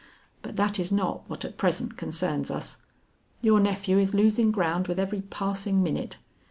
But that is not what at present concerns us. Your nephew is losing ground with every passing minute.